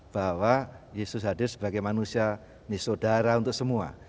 bahwa yesus hadir sebagai manusia ini saudara untuk semua